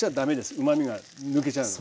うまみが抜けちゃうので。